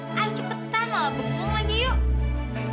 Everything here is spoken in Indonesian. jadi kan topan sama candy lebih ada kesempatan buat ngobrol ngobrol bareng